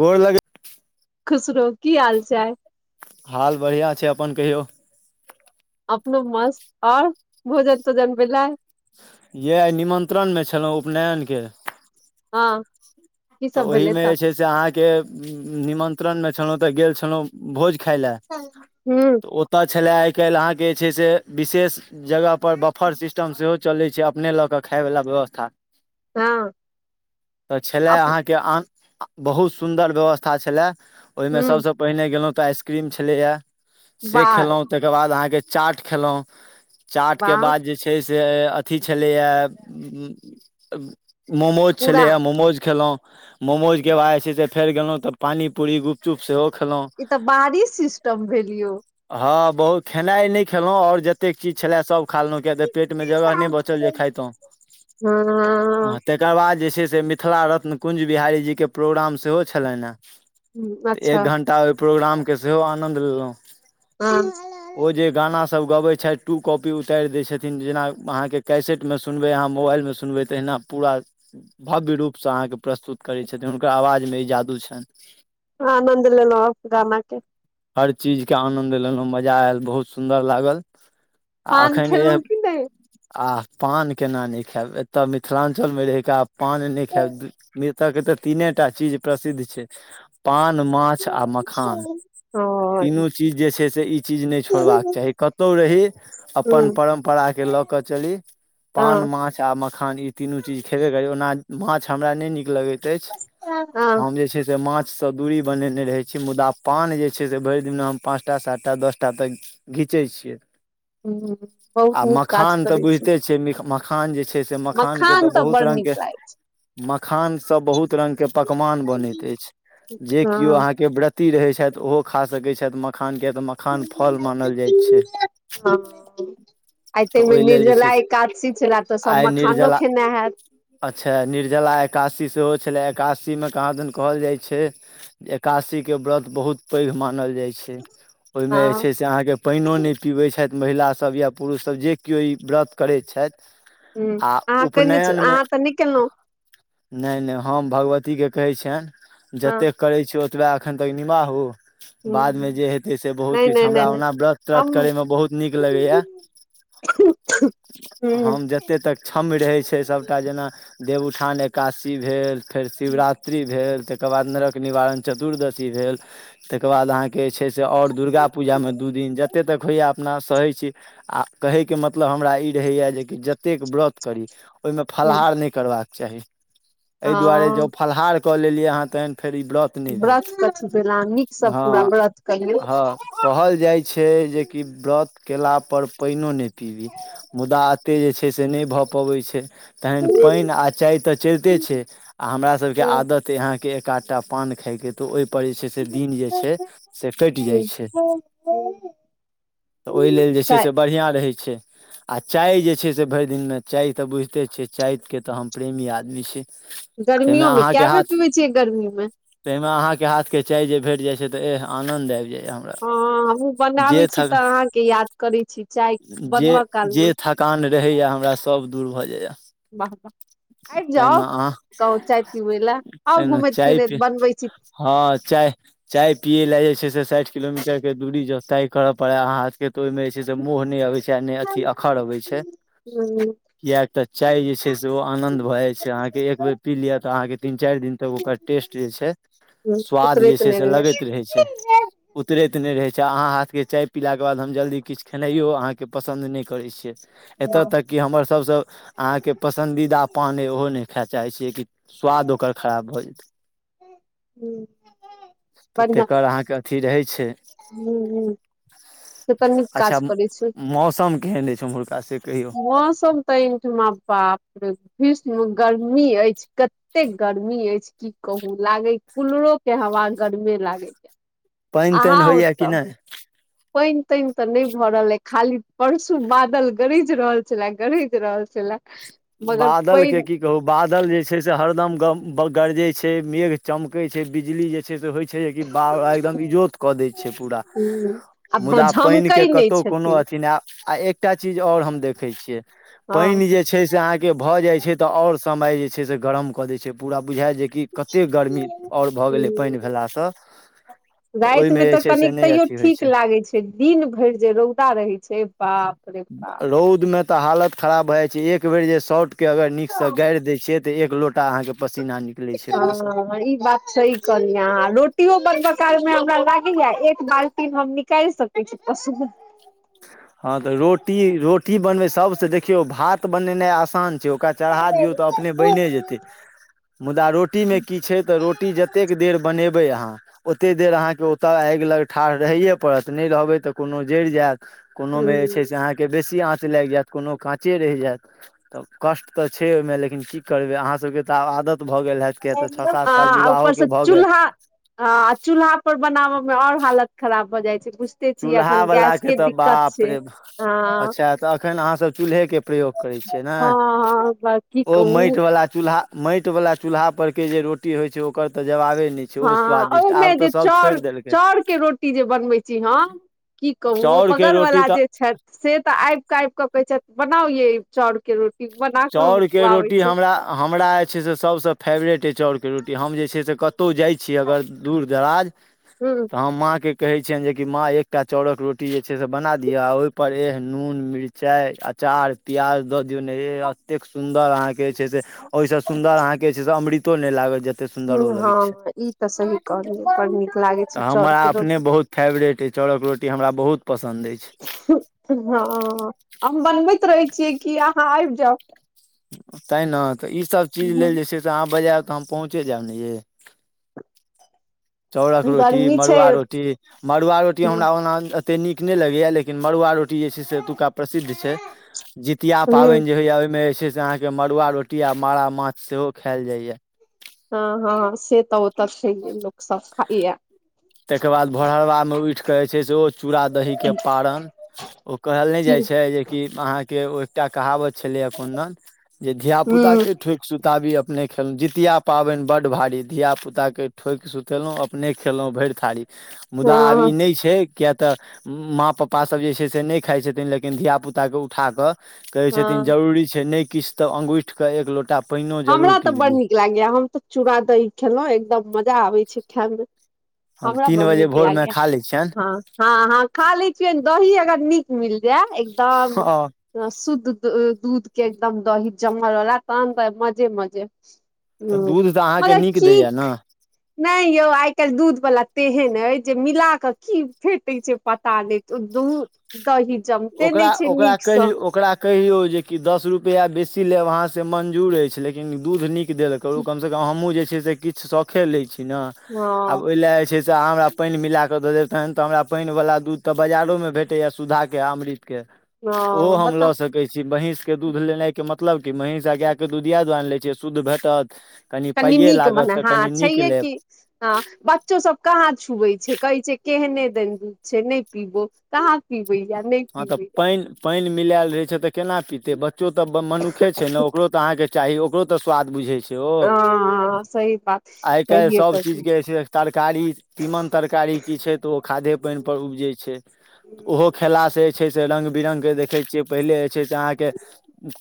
गोर लगै खुस रहु की हाल चाल हाल बढिया छै अपन कहियौ अपनो मस्त आओर भोजन तोजन भेलए इएह निमन्त्रणमे छलहुँ उपनयन के हँ की तऽ सब भेलै ओहिमे तऽ जे छै से अहाँके निमन्त्रणमे छलहुँ तऽ गेल छलहुँ भोज खाय ल हूँ तऽ ओतऽ छलै काइल आहा के जे छइ विशेष जगह पर बर्फेर सिस्टम चलै छै अपने लऽ के खाय वला व्यवस्था हँ तऽ छलय अप अहाँके बहुत सुंदर व्यवस्था छलै ओहिमे हूँ सबस पहिले गेलउ आइसक्रीम छले य से वाह खेलहु तकर बाद अहाँके चाट खेलहु चाटके वाह बाद जे छै से अथी छलैए मोमोज पूरा छलै या मोमोज खेलहुँ मोमोज के बाद जे छै से फेर गेलो तब पानी पूड़ी गुपचुप से हो ई तऽ बाहरी सिस्टम भेल यौ हँ बहुत खेनाइ नइ खेलहुँ आओर जतेक चीज छलै सब खाँ लेलउ कियाकी पेट मे जगह नइ बचल जे खाइतो हँ तकर बाद जे छै जे से मिथिला रत्न कुञ्ज बिहारीजीके प्रोग्राम सेहो छलनि हँ तऽ अच्छा एक घंटा ओय प्रोग्राम के सेहो आनन्द लेलहुँ हँ ओ जे गाना सब गबैत छथि टु कॉपी उताइर दैइत छथिन जेना आहा के कैसेट मे सुनबइ आहा मोबाइल मे सुनबइ तहिना पूरा भव्य रूपसँ अहाँके प्रस्तुत करै छथिन हुनकर आवाज मे ई जादू छैन आनन्द लेलहुँ गाना के हर चीज के आनन्द लेलहुँ मजा मजा आयल बहुत सुन्दर लागल आ पान अखैन एह खेलहुँ की नहि आ पान केना नइ खायब एतय मिथिलांचल मे रहि क आब पान नइ खायब एतय के तऽ तीने टा चीज प्रसिद्ध छै पान माछ आ मखान हँ तीनू चीज जे छै से ई चीज नइ छोड़बाक चाही कतहु रही अपन परम्परा ल क चली पान हँ माछ आ मखान ई तीनु चीज खेबे करी ओना माछ के हमरा नइ निक लगैत अछि हँ हम जे छै से माछ से दूरी बनेने रहे छी मुदा पान जे छै से भरि दिन हम पाँचटा सात टा दस टा तक घी धीचै छियै बहुत आ नीक काज मखान त करै छी बुझते छियै मिक मखान जे छइ मखान के तऽ बहुत बड़ रंग नीक के लागै खान से बहुत रंग के पकवान बनैत अछि जे छै केओ हँ अहाँ के व्रत ती रहै छथि ओहो खा सकैत छथि मख [unintelligible] आ तऽ तेमे ओहि लेल जे छै निर्जला से एकादशी छलैह तऽ सभ आइ मखानो निर्जला खेना हैत अच्छा निर्जला एकासी सेहो छले एकासी मे कहाँ दिन कहल जाय छै एकासी के व्रत बहुत पैघ मानल जाइ छै ओहिमे जे हँ छै से अहाँ के पाइनो नइ पीबैत छथि महिला सभ या पुरुष सभ जे केओ ई व्रत करै छथि ह आ अहाँ कने छि उपनयनमे अहाँ तऽ केलहुँ नहि नहि हम भगवतीके कहै छियनि हँ जतेक करै छिय ओ बेय एखन तक निमाहू बादमे हूँ जे हेतै से बहुत नहि किछु नहि हमरा नहि नहि ओना व्रत त्रत हम करयमे बहुत नीक लगैए यह ह हम जते तक क्षम रहै छै सब एकटा जेना देवउठान एकादी भेल फेर शिवरात्रि भेल तकर बाद नरक निवारण चतुर्दशी भेल तकर बाद आहाँ के छै से आओर दुर्गाापूजामे दू दिन जते तक होइए अपना सहै छी आ कहैके मतलब हमरा ई रहैया जेक जतेक व्रत करी ओ ह फहार करबाक चाही एहि दुआरे हँ जै फलाहार कऽ लेलियै तैन फेर ई व्रत नहित कथी भेल अहाँ नीकसँ हँ पूरा व्रत करियौ ह कहल जाइ छै जेकि व्रत कयला पर पाइनो नइ पीबी मुदा एतेक जे छै से नइ भऽ पबैत छै तखन पाइन आ चाय तऽ चलिते छै आ हमरा सभके आदत यहाँ के के टा पान खाय क तऽ ओहिपर जे छै से दिन जे छै से कइट जाइ छै तऽ ओहि लेल जे छै चाय से बढ़िआँ रहै छै आ चाय जे छै से भरि दिन मे चाय तऽ बुझिते छियै चाय के तऽ हम प्रेमी आदमी छी तहिमे गर्मियो मे अहाँके कए बेर हाथ पीबै छियै गर्मी मे तहिमे आहाक के हाथ के चाय जे भेट जाइ छै तऽ ए आनंद आबि जाइ य हमरा हमूँ बनाबै जे छी थक तऽ अहाँके याद करै छी चाय जे बन ब काल मे जे थकान रहैया हमरा सब दूर भऽ जाइया बाह बाह आबि जाउ तहिना अहाँ गाव चाय पीबै ल आउ तहिना घुमैत चाय पी फिरैत बनबै छी हँ चाय चाय पियै लए जे छै से साठि किलोमीटर के दूरी जो तई कर पड़ा हहाथ के तो ओ मे जे छै से मोह नहि अबे छै मे नइ अथि अखर अबै छै ह किया एकटा चाय जे छै से ओ आनन्द भऽ जाइ छै अहाँके एक बेर पी लिअ तऽ अहाँके तीन चारि दिन तक ओकर टेस्ट जे छै ह स्वाद जे उतरैत छै नहि से रहैया लगैत रहै छै उतरैत न नहि रहै छै अहाँ हाथ के चाय पीला के बाद हम जल्दी किछु खेनाइयो अहाँ के पसन्द नहि करै छियै एतय तक कि हमर सभसँ अहाँके पसन्दीदा पान अइ ओहो नहि खाय चाहैत छी कि स्वाद ओकर खराब भऽ जेतैय ह त बढ़िआँ तेकर आहाँ क अथी रहै छै ह ह से तऽ नीक काज अच्छा कर छी मौसम केहन अछि ओम्हुरका से कहियौ मौसम तऽ एहि ठुमा बाप रे विष्म गर्मी अछि कते गर्मी अछि की कहू लागे कूलरो के हमरा बड गरबे लागे छै पाइन ताइन होइया कि नहि पाइन ताइन तऽ नहि भऽ रहल हे खाली परसू बादल गरज रहल छले गरज रहल छले मगर बादल के पानि की कहू बादल जे छै से हरदम गम ब गरजे छै मेघ चमके छै बिजली जे छै से होय छै जे बा एकदम इजोत कऽ दै छै पूरा ह आ मुदा पानिके झमकै नहि कतहु कोनो छथिन अथी नहि आ एकटा चीज आओर हम देखैत छियै पानि हँ पानि जे छै आहा के भजाइ छै त और समय जैए से गरम कऽ दइए छै बुझाई जे गी कते गर्मी ओर भऽ गले पानि भेला स रातिमे तऽ कनिक तैयो ठीक लागैत छै दिन भरि जे रौदा रहैत छै बाप रे बाप रौदमे तऽ हालत खराब भए जाइ छै एक बेर जे शर्ट के अगर नीक से गारि दै छियै त तऽ एक लोटा अहाँ के ह ई बात सही कहलिय अहा रोटियो बनब काल मे हमरा ल किया एक बाल्टी हम निकाइल सकै छी सु हँ तऽ रोटी रोटी बनबै सब से देखियौ भात बनेनाइ आसान छै ओ ओकरा चढ़ा दियौ तऽ अपने बने जेतै मुदा रोटी मे की छै तऽ रोटी जतेक देर बनेबै अहाँ ओते देर अहाँत आगि लग ठार रहै परत नहि रहबै तऽ कोनो जरि जायत कोनो मे जे छै से अहाँ के बेसी आँच लागि जायत कोनो काँचे रहि जायत तऽ कष्ट तऽ छै ओहि मे लेकिन की करबै अहाँ सबके तऽ आब आदत भऽ गेल हैत किया तऽ छओ सात साल हां विवाहो ऊपर के से भऽ गेल चुल्हा हां चुल्हा पर बनाव आओर हालत खराब भऽ जाइ छै बुझते छियै चूल्हा अखन वाला गैस के तऽ दिक्कत बाप छै रे हँ अच्छा तऽ अखन अहाँ सब चूल्हे के प्रयोग करै छियै ने हँ हँ की ओ कहू माटि वला चूल्हा माटि वाला चूल्हा पर के जे रोटी होय छै ओकर तऽ जवाबे नहि छै ओ हँ स्वादिष्ट ओहि मे आब तऽ जे सब चर छोड़ि देलकै चर के रोटी जे बनबै छी ह की कहू ओ चाउरके बगल रोटी वला तऽ जे छथि से तऽ आब कऽ आब कऽ कहै छथि बनाउ ये चाउर के रोटी बना कऽ हम चाउर के खुआबै रोटी छै हमरा हमरा जे छै से सभ से फेवरेट अइ चाउर के रोटी हम जे छै से कतो कतहु जाइ छीय अगर दूर दराज ह तऽ हम माँ के कहै छियअनि जे कि माँ एकटा चाउरक रोटी जे छै से बना दिअ आ ओहि पर एह जे नून मिरचाइ आ चार प्याज दऽ दियौ नेे एतेक सुंन्दर अहाँ के जे छै से होइ से सुंन्दर अहाँ के जे छै से अमृतो नहि लागत जे हँ ई तऽ सही कहलियै बड़ नीक लागै छै चाउर हमारा के अपने रोटी बहुतो फ़ेब्ररेट अइ चाउर के रोटी हमरा बहुत पसन्द अछि हँ हम बनबैत रहै छियै कि अहाँ आबि जाउ तैँ ने तऽ इ सब चीज हूँ लेल जे छै से अहाँ बजायब तऽ हम पहुँचे जायब ने ये चाउरक रोटी गर्मी छै मड़ुआ रोटी मड़ुआ रोटी हमरा ओना ते न लगेया लेकिन मरुआ से एतुका प्रसिद्ध छै जितिया ह पाबनि जे होइया ओहिमे जे छै से अहाँ के मड़ुआ रोटी आ मारा माछ सेहो खायल जाइएा हँ हँ से तऽ हो तऽ छै लोक सब खाइए ताहि के बाद भोरलबामे उठि कऽ जे छै से ओ चूड़ा दही के पारण ओ कहल नहि जाइ छै जेकि अहाँ के एकटा कहावत छलै न जे धिया पुता हूँ के ठोक सुताबी अपने खेलहुँ जितिया पाबनि बड्ड भारी धियाापुताके ठोकि सुतेलहुँ अपने खेलहुॅँ भरि खड़ी मुदा आब ई हँ नहि छै किए तऽ माँ पप्पा सब जे छै से नहि खाइ छथिन लेकिन धिया पुता के उठा कऽ कहै छथिन हँ जरूरी छै नहि किछ तऽ अंगूठि कऽ एक लोटा पानिओ हमरा जरूर तऽ पीब बड़ ली नीक लागैए हम तऽ चूड़ा दही खेलहुँ एकदम मजा आबैत छै खाय मे हम हमरा तीन बड बजे नीक भोरमे लागयै खा लै छियनि ह ह ह खा लै छियन दही अगर नीक मिल जाय एकदम हँ शुद्ध दूध के एकदम दही जमलवला तहनत मजे मजे ओ तऽ दूध तऽ अहाँके मतलब नीक दैए कीक ने नहि यौ आइ काल्हि दूध वला तेहन ऐ जे मिला क की फेटे छै पता नहि त दूध दही जमते ओकरा नहि छै ओकरा कहि नीकसँ ओकरा कहियौ जेकि दश रुपैआ बेसी लेब अहाँसँ मंजूर अछि लेकिन दूध नीक देल करु कम से कम हमूँ जे छै से किछु सौखे लै छी न आब हँ ओहि लए जे छै से अहाँ हमरा पानि मिलाकऽ दऽ देब तहन तऽ हमरा पानिवला दूध तऽ बजारोमे भेटैया सुधाके आ अमृत के ओहो हँ हम बताउ लऽ सकैत छी महींस के दूध लेनाइ के मतलब कि महींष आ गाय के दूध एह दुआरे न लै छी जे शुद्ध भेटत कनि पाइए नीक लागत मने तऽ हँ कनि नीक छैहे लेब की ह बच्चो सब कहाँ छुबै छै कहै छै केहने देन दूध छै नहि पीबो कहाँ पीब हँ तऽ पानि पानिमे मिलैल रहे छै त केना पीते बच्चो त ब मनुखे छै न ओकरो त अहा के चाही ओकरो त स्वाद बुझे छै छै ओ हँ सही बात आइ काल्हि सहिए सभ कहै चीजके जे छै से तरकारी तीमन तरकारी की छै तऽ ओ खादे पानि पर उपजे छै ओहो खेला छै से रंग बिरंग के देखय छियै पहिले जे छै से अहां के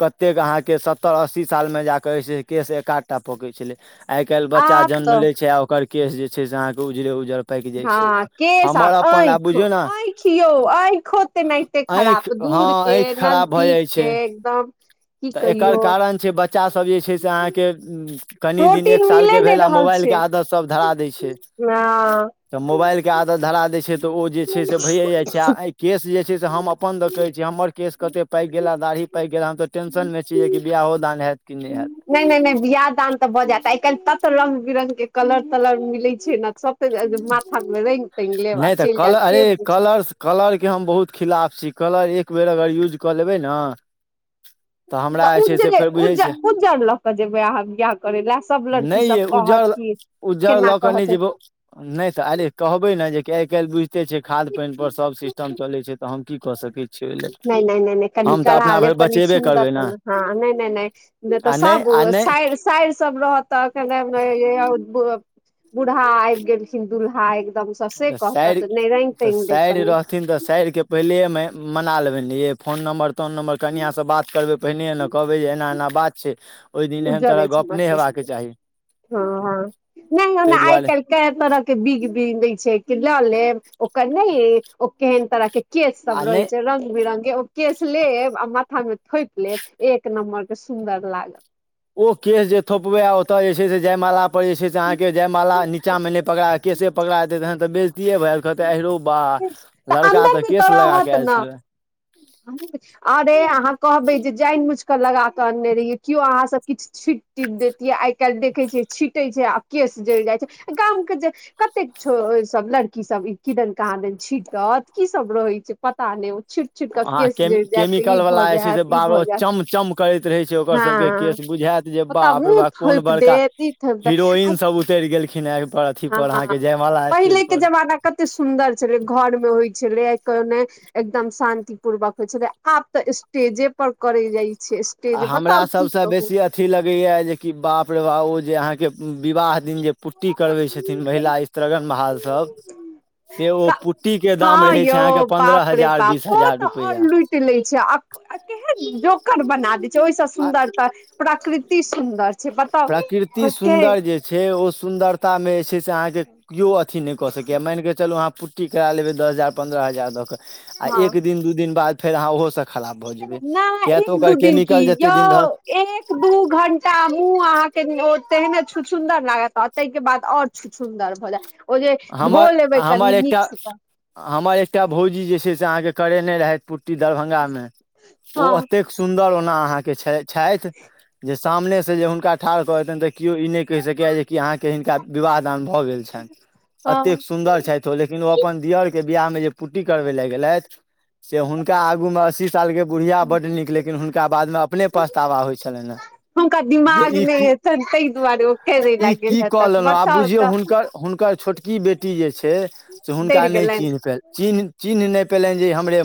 कत्तेक अहांके सत्तर अस्सी साल मे मे जाक जे छै से केश एक आधटा पकै छलै आइ काल्हि बच्चा आब जन्म तऽ ले छै आ ओकर केस जे छै से अहाँ के उजड़े उजड़ हँ केस आ आँखि बुझियौ ने आँखियौ आँखो तेनहिते खराप आँखि हँ दूर के आँखि खराब भऽ नजदीक जाइ के छै एकदम की तऽ एकर कहियौ कारण छै बच्चासभ जे छै से अहाँके अ्म कनि दिन एक प्रोटीन साल मिले के नहि भेल आ रहल मोबाइल के छै आदत सब धरा दै छै हँ तऽ मोबाइलके आदत धरा दै छै तऽ ओ जे छै से भैये जाइ छै आय केस जे छै से हम अपन कहै छी हमर केस कते पाइक गेल या दाढ़ी पाइक गेल या हम त टेंशन म छी जे कि बियाहो दान हेयत नहि नहि नहि बियाह दान तऽ भऽ जायत आइ काल्हि तत त रंग बिरंग के कलर तलर मिले छै न सबके अ माथा मे रंग तंग लेब आ नहि तऽ चलि जायत कलर के अरे बुझत कलर कलर के हम बहुत खिलाफ छी कलर एक बेर अगर युज कऽ लेबै ने तऽ हमरा जे छै से उज्जरे फेर बुझै उज् छियै उज्जर लऽ कऽ जेबै अहाँ बियाह करे लए सभ लड़की नहि यै सब कहत उज्जर कि उज्जर केना लऽ के नहि कहत जेबौ नहि तऽ आहिरे कहबै न जे कि आइ काल्हि बुझिते छै खाद पानि पर सब सिस्टम चलै छै तऽ हम की कऽ सकैत छी नहि नहि नहि नहि कनि कड़ा लेब कनि बचेबे सुन्दर करबै ने तऽ हँ नहि नहि नहि नहि तऽ आ सब आ नहि साइर साइर सब रहत तखने मे यै आओर बूढ़ा आबि गेलखिन दुल्हा एक तऽ साइर तऽ साइर कनि रहथिन तऽ साइर के पहिले मे मना लेबै नहि ये फोन नम्बर तोन नम्बर कनियांसँ बात करबै पहिनेहे ना कहबै जे एना एना बात छै ओहि दिन एहन उज्जर तरहक अछि गप्प हमर नहि केश हेबाके चाही हँ हँ नहि ओना ताहि आइ दुआरे काल्हि कए तरह के बिग बीग दै छै लऽ लेब ओकर नहि ओ केहन तरह के केश सब आ रहै नहि छै रंग बिरंग के ओ केस लेब आ माथा मे थोपि लेब एक नम्बर के सुन्दर लागत ओ केश जे थोपबै आ ओतय जे छै से जयमाला पर जे छै से अहाँके जयमाला नीचामे नहि पकड़ा कऽ केश से पकड़ा जेतै तहन तऽ बेजतीए भऽ जेब ओ कहतै आहिरौ बा लड़का अन्दर तऽ मे केश लगा रहत के आयल ने छलौए अरे अहाँ कहबे जे जानि बुझिक लगाक अनने रहियै केओ अहाँ सब किछु छीट तीट देैतियै आइ काल्हि देखै छियै छीटै छै आ केस जैरि जाइ छै गाम के जे कतेक छौ सब लड़की सब ई किदन कहादन छी छीटत की सब रहै छै पता नहि ओ छीट अहाँ के से केमी जरि जाएतऽ ई केमिकल वला भऽ जे छै जाएत से ई भऽ बाबरो जाएत चम चम करैत रहै छै ओकर सबके हँ केस बुझायत जे ओतय बाप रे मूँह बा कोन थोपि बड़का देत आ थोपि हीरोइन देत सब उतरि गेलखिन हे पर अथी पर अहाँके हँ जयमाला स्टेज पहिले के पर जमाना कते सुन्दर छलै घर मे होइ छलै आ को नहि एकदम शान्ति पूर्वक होइ छले आब तऽ स्टेजे पर करै जाइ छै स्टेज आ हमरा बताउ की सभसँ कहू बेसी अथी लगैए जेकि बाप रौ बाप ओ जे अहाँके विवाह दिन जे पुट्टी करबै छथिन महिला स्त्रीगन महाल सभ हँ अहाँके यौ पंन्द्रह बाप रे हजार बाप बीस ओ हजार तऽ आओर रुपैआ लूटि लै छै आ तेहन जोकर बना दैत ओहिसँ आ सुन्दर तऽ प्रकृति सुन्दर छै बताउ प्रकृति ओकि सुन्दर जे छै ओ सुन्दरता मे जे छै से अहाँ के केओ अथी नहि कऽ सकैय मानिकऽ चलू अहाँ पुट्टी करा लेवै दस हजार पन्द्रह हजार दऽ कऽ आ हँ एक दिन दू दिन बाद फेर आहा ओहो सँ खराब भऽ जेबै किए नहि एक तऽ ओकर दू दिन की केमिकल जे यौ एक दू घण्टा मूँह अहाँके ओ तेहने छुछुन्दर लागत आ ताहिके बाद आओर छुछुन्दर भऽ जायत ओ जे धो हमर लेबै कनि हमर एक्टा नीकसँ तऽ हमर एक्टा भौजी जे छै से अहाँके करे नहि रहैत पु कि दरभंगा में हँ ओ एतैक सुंदर ओना अहाँ के छैथ जे सामने से जे हुनका ठाढ़ कर कऽ देतैन तऽ क्यो ई नहि कहि सकैए जेकि अहाँके हिनका विवाह दान भऽ गेल छैन हँ एतेक सुन्दर छथि ओ लेकिन ओ अपन दियोर के बियाह मे जे पुट्टी करबै ले गेलथि से हुनका आगू मे असीस साल के बुढ़िया बड्ड नीक लेकिन हुनका बाद मे अपने पछतावा होइत छलनि हँ हुनका जे दिमाग ई नहि की हेतनि ताहि दुआरे ओ खेलय ई लए गेल की कऽ हेतनि लेलहुँ आब बताउ बुझियौ तऽ हुनकर हुनकर छोटकी बेटी जे छै से हुनका डरि नहि चिन्ह पेल गेलनि चिन्ह चिन्ह नहि पेलनि जे ई हमरे